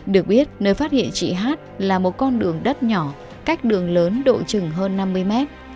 được biết nơi phát hiện chị hát là một con đường đất nhỏ cách đường lớn độ chừng hơn năm mươi mét